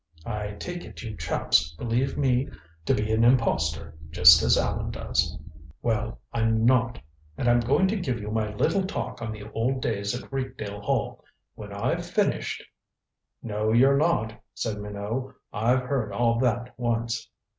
"I take it you chaps believe me to be an impostor, just as Allan does. Well, I'm not. And I'm going to give you my little talk on the old days at Rakedale Hall. When I've finished " "No, you're not," said Minot. "I've heard all that once."